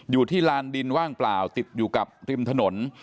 ลานดินว่างเปล่าติดอยู่กับริมถนน